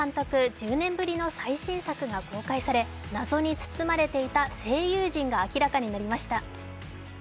１０年ぶりの最新作が公開され謎に包まれていた声優陣が明らかになりました。